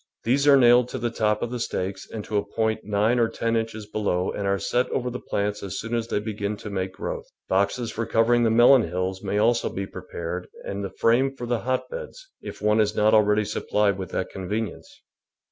These are nailed to the top of the stakes and to a point nine or ten inches be low and are set over the plants as soon as they begin to make growth. Boxes for covering the melon hills may also be prepared and the frame for the hotbeds, if one is not already supplied with that convenience.